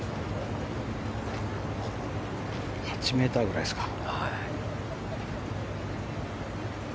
８ｍぐらいですか。